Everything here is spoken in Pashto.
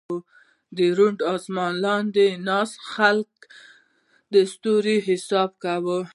د روڼ اسمان لاندې ناست خلک د ستورو حساب کوي.